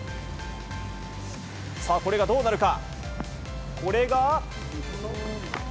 さあ、これがどうなるか。